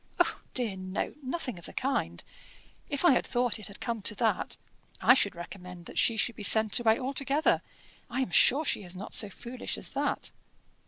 "Oh dear, no nothing of the kind. If I thought it had come to that, I should recommend that she should be sent away altogether. I am sure she is not so foolish as that."